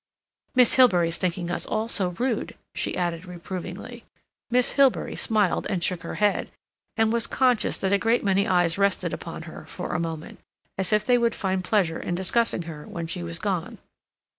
"Miss Hilbery's thinking us all so rude," she added reprovingly. Miss Hilbery smiled and shook her head, and was conscious that a great many eyes rested upon her, for a moment, as if they would find pleasure in discussing her when she was gone.